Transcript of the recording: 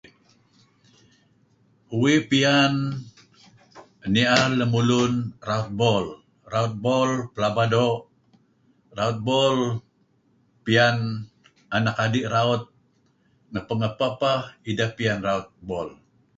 Uih piyan ni'er lemulun raut bol. Raut bol pelaba doo. Raut bol piyan anak adi' raut. Ngapeh-ngapeh peh ideh piyan raut bol.